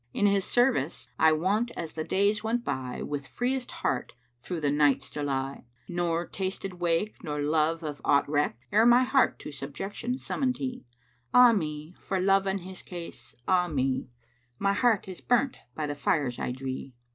In His service I wont as the days went by * With freest heart through the nights to lie; Nor tasted wake, nor of Love aught reckt * Ere my heart to subjection summoned he: 'Ah me, for Love and his case, ah me: My heart is burnt by the fires I dree!'